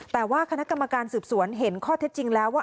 แต่ว่าคณะกรรมการสืบสวนเห็นข้อเท็จจริงแล้วว่า